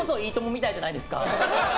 みたいじゃないですか？